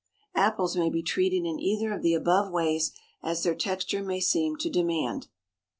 Apples may be treated in either of the above ways as their texture may seem to demand.